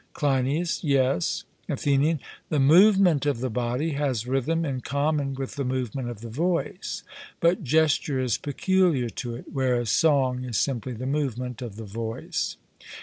CLEINIAS: Yes. ATHENIAN: The movement of the body has rhythm in common with the movement of the voice, but gesture is peculiar to it, whereas song is simply the movement of the voice.